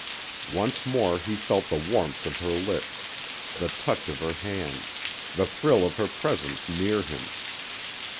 Once more he felt the warmth of her lips, the touch of her hand, the thrill of her presence near him.